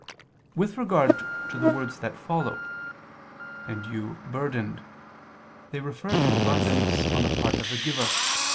With regard to the words that follow, "and you burdened," they refer to abundance on the part of the giver.